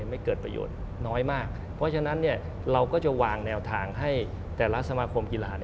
ไม่เกิดประโยชน์น้อยมากเพราะฉะนั้นเราก็จะวางแนวทางให้แต่ละสมาคมกีฬา